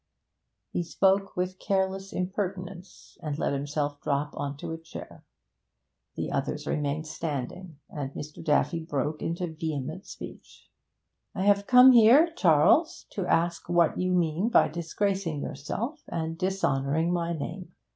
He spoke with careless impertinence, and let himself drop on to a chair. The others remained standing, and Mr. Daffy broke into vehement speech. 'I have come here, Charles, to ask what you mean by disgracing yourself and dishonouring my name.